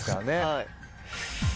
はい。